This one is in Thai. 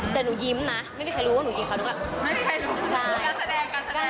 จริงนู้นหยิกจริง